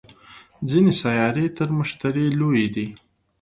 ځینې سیارې تر مشتري لویې دي